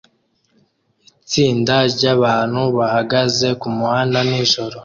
Itsinda ryabantu bahagaze kumuhanda nijoro;